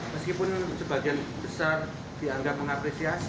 meskipun sebagian besar dianggap mengapresiasi